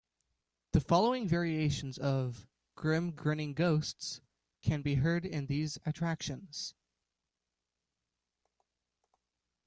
The following variations of "Grim Grinning Ghosts" can be heard in these attractions.